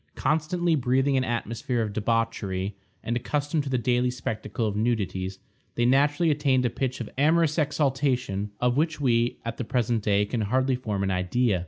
Constantly breathing an atmosphere of debauchery, and accustomed to the daily spectacle of nudities, they naturally attained a pitch of amorous exaltation of which we, at the present day, can hardly form an idea.